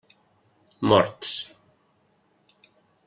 Morts.